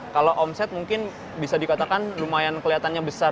kalau omset mungkin bisa dikatakan lumayan kelihatannya besar